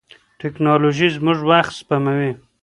ټیکنالوژي زموږ وخت سپموي.